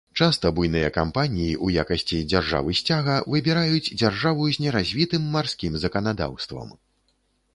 Часта буйныя кампаніі ў якасці дзяржавы сцяга выбіраюць дзяржаву з неразвітым марскім заканадаўствам.